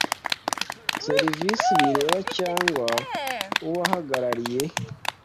serivisi bireba cyangwa ubahagarariye